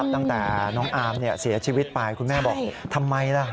ตั้งแต่น้องอาร์มเสียชีวิตไปคุณแม่บอกทำไมล่ะ